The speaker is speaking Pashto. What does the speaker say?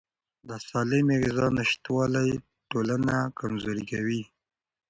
د سالمې غذا نشتوالی ټولنه کمزوري کوي.